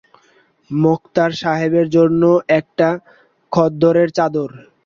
মোক্তার সাহেবের জন্য একটা খদ্দরের চাদর।